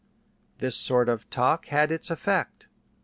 This sort of talk had its effect.